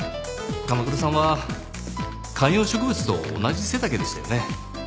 鎌倉さんは観葉植物と同じ背丈でしたよね。